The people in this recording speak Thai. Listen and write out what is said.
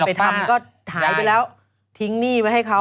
อาจ่ะไม่มีไหมเปล่าป้าทิ้งหนี้มาให้เค้า